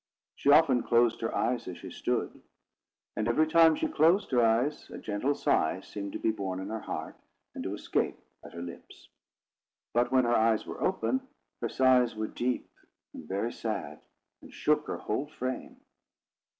She often closed her eyes as she stood; and every time she closed her eyes, a gentle sigh seemed to be born in her heart, and to escape at her lips. But when her eyes were open, her sighs were deep and very sad, and shook her whole frame.